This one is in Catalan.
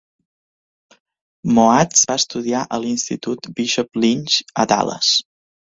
Moats va estudiar a l'institut Bishop Lynch a Dallas.